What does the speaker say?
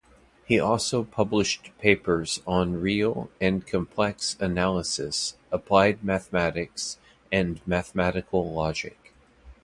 He also published papers on real and complex analysis, applied mathematics and mathematical logic.